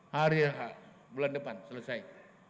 hari bulan depan selesai